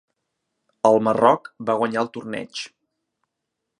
El Marroc va guanyar el torneig.